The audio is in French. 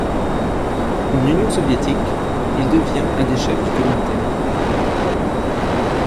En Union soviétique, il devient un des chefs du Komintern.